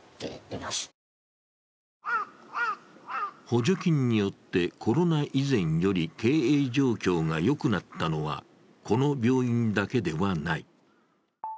補助金によってコロナ以前より経営状況がよくなったのは、この病院だけではない。